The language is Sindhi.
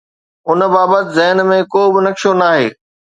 ان بابت ذهن ۾ ڪو به نقشو ناهي.